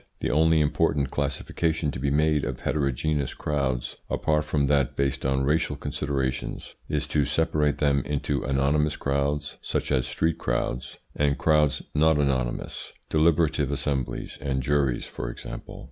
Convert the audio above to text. The only important classification to be made of heterogeneous crowds, apart from that based on racial considerations, is to separate them into anonymous crowds, such as street crowds, and crowds not anonymous deliberative assemblies and juries, for example.